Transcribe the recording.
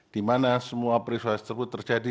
di mana semua perisua perisua tersebut terjadi